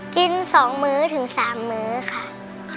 กิน๒มื้อถึง๓มื้อค่ะ